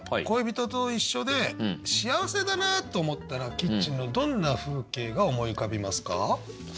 恋人と一緒で幸せだなと思ったらキッチンのどんな風景が思い浮かびますか？